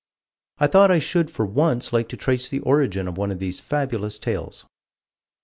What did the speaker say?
"I thought I should for once like to trace the origin of one of these fabulous tales."